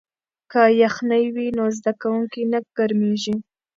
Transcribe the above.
که یخنۍ وي نو زده کوونکی نه ګرمیږي.